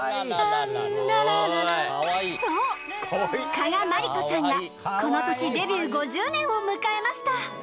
加賀まりこさんがこの年デビュー５０年を迎えました